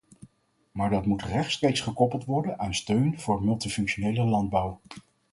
Maar dat moet rechtstreeks gekoppeld worden aan steun voor multifunctionele landbouw.